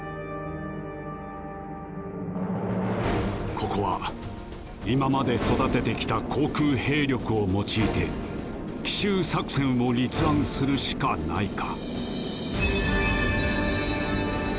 ここは今まで育ててきた航空兵力を用いて奇襲作戦を立案するしかないか。